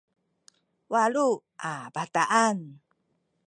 walu a bataan